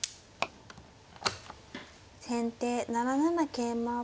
先手７七桂馬。